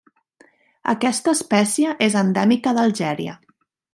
Aquesta espècie és endèmica d'Algèria.